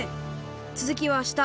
つづきはあした！